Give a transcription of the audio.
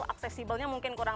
aksesibelnya mungkin kurang